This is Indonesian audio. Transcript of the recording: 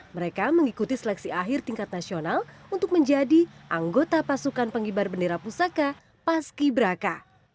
mereka mengikuti seleksi akhir tingkat nasional untuk menjadi anggota pasukan pengibar bendera pusaka paski braka